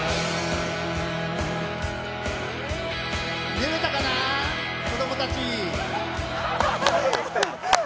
見れたかな、子供たち。